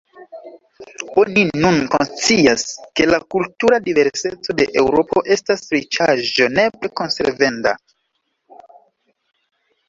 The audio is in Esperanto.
Oni nun konscias, ke la kultura diverseco de Eŭropo estas riĉaĵo nepre konservenda.